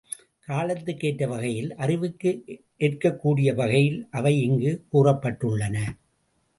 காலத்துக்கேற்ற வகையில் அறிவுக்கு ஏற்கக் கூடிய வகையில் அவை இங்குக் கூறப்பட்டுள்ளன.